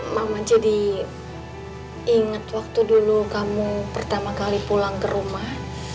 mama jadi ingat waktu dulu kamu pertama kali pulang ke rumah